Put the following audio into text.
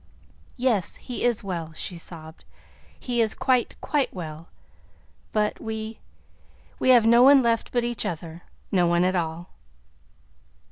"Yes, he is well," she sobbed; "he is quite, quite well, but we we have no one left but each other. No one at all."